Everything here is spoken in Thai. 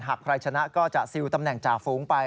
หากใครชนะก็จะซิลตำแหน่งจ่าฝูงไป